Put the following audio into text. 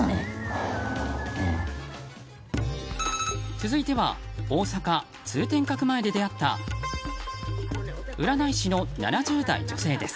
続いては、大阪・通天閣前で出会った占い師の７０代女性です。